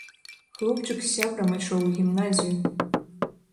Хлопчык з сябрам ішоў у гімназію.